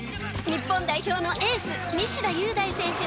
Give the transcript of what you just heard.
日本代表のエース西田優大選手に澤部が迫る！